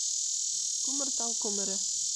Күмертау күмере!